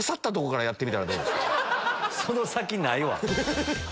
その先ないわ！